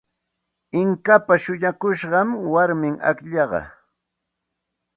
Inkapa shuñakushqan warmim akllaqa.